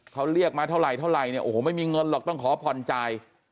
เขาเรียกมาเท่าไหรเท่าไหร่เนี่ยโอ้โหไม่มีเงินหรอกต้องขอผ่อนจ่าย